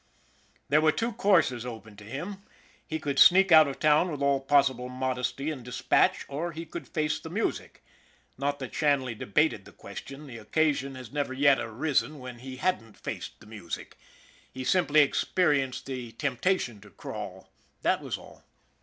There were two courses open to him. He could sneak out of town with all possible modesty and dis patch, or he could face the music. Not that Shanley debated the question the occasion had never yet arisen SHANLEY'S LUCK 101 when he hadn't faced the music he simply experienced the temptation to " crawl," that was all.